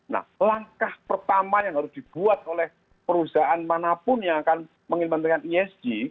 nah langkah pertama yang harus dibuat oleh perusahaan manapun yang akan mengimplementasikan esg